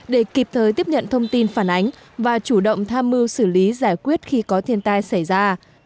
để kịp thời tiếp nhận thông tin phản ánh và chủ động tham mưu xử lý giải quyết khi có thiên tai xảy ra